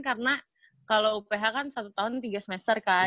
karena kalau uph kan satu tahun tiga semester kan